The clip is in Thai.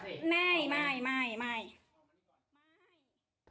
ไม่ไม่ไม่ไม่